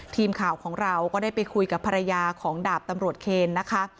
ทีมข่าวของเราก็ได้ไปคุยกับภรรยาของดาบตำรวจเคนนะคะ